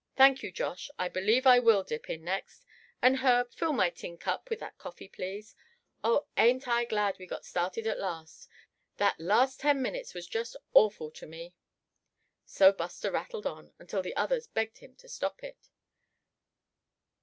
Thank you, Josh, I believe I will dip in next; and Herb, fill my tin cup with that coffee, please. Oh! ain't I glad we've got started at last. That last ten minutes was just awful to me!" So Buster rattled on until the others begged him to stop it.